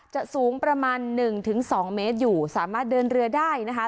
สูงประมาณหนึ่งถึงสองเมตรอยู่สามารถเดินเรือได้นะคะ